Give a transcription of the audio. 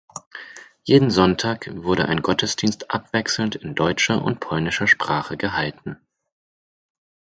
Jeden Sonntag wurde ein Gottesdienst abwechselnd in deutscher und polnischer Sprache gehalten.